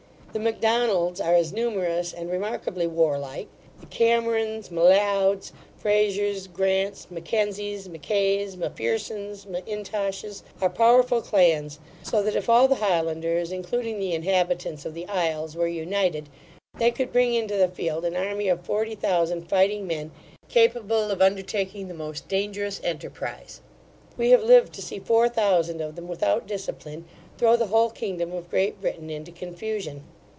The Macdonalds are as numerous, and remarkably warlike: the Camerons, M'Leods, Frasers, Grants, M'Kenzies, M'Kays, M'Phersons, M'Intoshes, are powerful clans; so that if all the Highlanders, including the inhabitants of the Isles, were united, they could bring into the field an army of forty thousand fighting men, capable of undertaking the most dangerous enterprize. We have lived to see four thousand of them, without discipline, throw the whole kingdom of Great Britain into confusion.